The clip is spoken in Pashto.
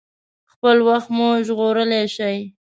خپل وخت مو ژغورلی شئ.